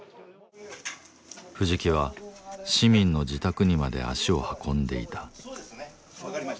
藤木は市民の自宅にまで足を運んでいた。